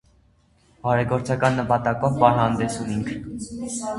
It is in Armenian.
Բարեգործական նպատակով պարահանդես ունինք: